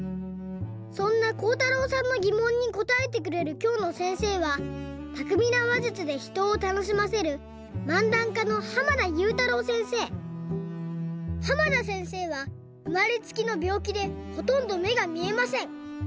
そんなこうたろうさんのぎもんにこたえてくれるきょうのせんせいはたくみなわじゅつでひとをたのしませる濱田せんせいはうまれつきのびょうきでほとんどめがみえません。